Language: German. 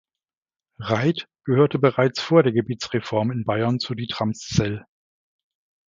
Reith gehörte bereits vor der Gebietsreform in Bayern zu Dietramszell.